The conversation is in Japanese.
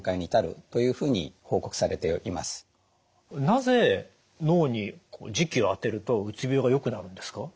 なぜ脳に磁気を当てるとうつ病がよくなるんですか？